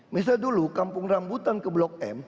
misalnya dulu kampung rambutan ke blok m